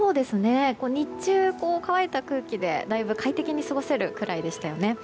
日中、乾いた空気でだいぶ快適に過ごせるぐらいでした。